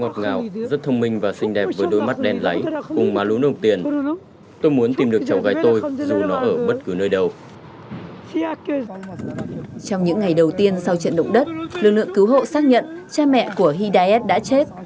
trong những ngày đầu tiên sau trận động đất lực lượng cứu hộ xác nhận cha mẹ của hidays đã chết